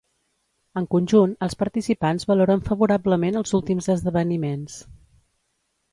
En conjunt, els participants valoren favorablement els últims esdeveniments.